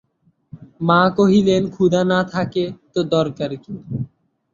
মা কহিলেন, ক্ষুধা না থাকে তো দরকার কী!